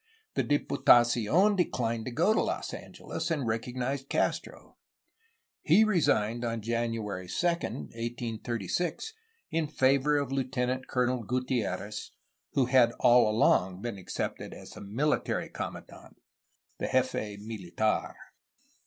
The Diputacion declined to go to Los Angeles, and recognized Castro. He resigned on Jan uary 2, 1836, in favor of Lieutenant Colonel Gutierrez, who had all along been accepted as the military commandant (jefe militar).